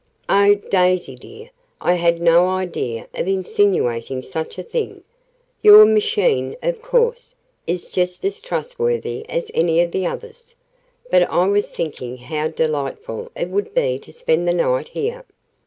"Oh, Daisy, dear, I had no idea of insinuating such a thing. Your machine, of course, is just as trustworthy as any of the others. But I was thinking how delightful it would be to spend the night here.